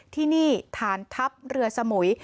ที่นี่ฐานทัพเรือสมุย